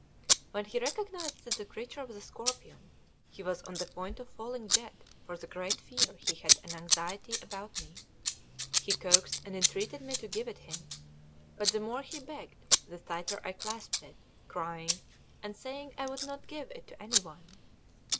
When he recognised that the creature was a scorpion, he was on the point of falling dead for the great fear he had and anxiety about me. He coaxed and entreated me to give it him; but the more he begged, the tighter I clasped it, crying and saying I would not give it to any one.